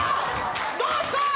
どうした！